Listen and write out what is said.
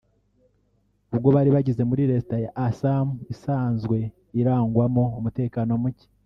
ubwo bari bageze muri Leta ya Assam isanzwe irangwamo umutekano muke